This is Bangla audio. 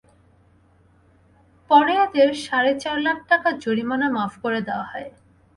পরে এদের সাড়ে চার লাখ টাকা জরিমানা মাফ করে দেওয়া হয়।